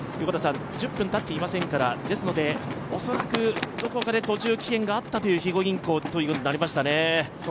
１０分たっていませんので、恐らくどこかで途中棄権があったという肥後銀行ですね。